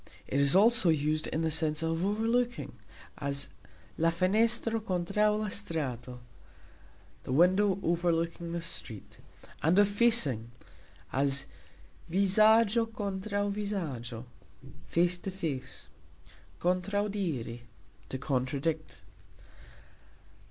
It is also used in the sense of "overlooking", as "La fenestro kontraux la strato", The window overlooking the street; and of "facing", as "Vizagxo kontraux vizagxo", Face to face. "Kontrauxdiri", to contradict.